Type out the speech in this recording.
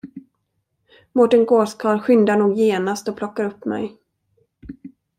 Mårten gåskarl skyndar nog genast och plockar upp mig.